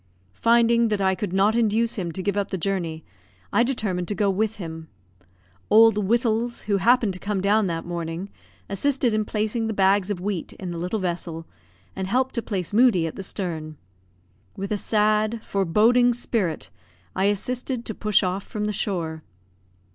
Finding that I could not induce him to give up the journey, I determined to go with him. Old Wittals, who happened to come down that morning, assisted in placing the bags of wheat in the little vessel, and helped to place Moodie at the stern. With a sad, foreboding spirit I assisted to push off from the shore.